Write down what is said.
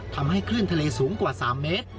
ทำให้คลื่นทะเลสูงกว่า๓เมตร